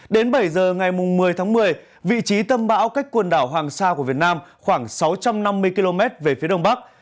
đến bảy giờ ngày một mươi tháng một mươi vị trí tâm bão cách quần đảo hoàng sa của việt nam khoảng sáu trăm năm mươi km về phía đông bắc